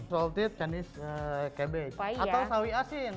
salted chinese cabbage atau sawi asin